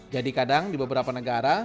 jadi kadang di beberapa negara